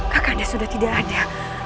kakande sudah tidak ada